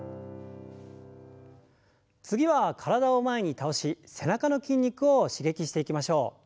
次は体を前に倒し背中の筋肉を刺激していきましょう。